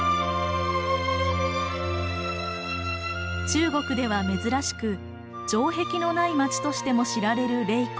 中国では珍しく城壁のない町としても知られる麗江。